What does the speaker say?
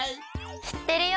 しってるよ！